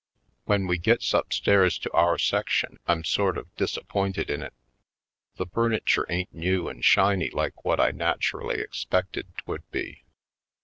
When we gets upstairs to our section I'm sort of disappointed in it. The furniture ain't new and shiny like what I naturally expected 'twould be.